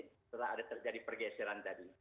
setelah ada terjadi pergeseran tadi